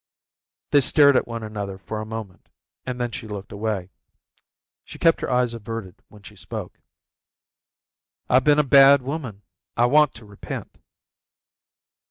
They stared at one another for a moment and then she looked away. She kept her eyes averted when she spoke. "I've been a bad woman. I want to repent."